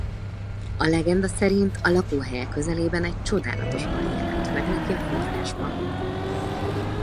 A legenda szerint a lakóhelye közelében egy csodálatos hal jelent meg neki a forrásban.